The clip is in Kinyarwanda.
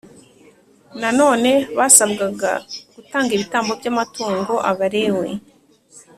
Nanone basabwaga gutanga ibitambo by amatungo Abalewi